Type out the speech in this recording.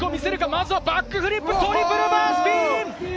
まずはバックフリップトリプルバースピン！